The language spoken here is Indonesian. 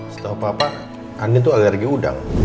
setau papa adin tuh alergi udang